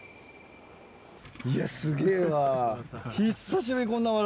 いやすげぇわ。